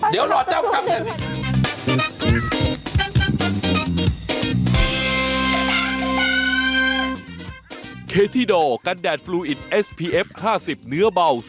เดี๋ยวรอใจ้องค์กลับแล้ว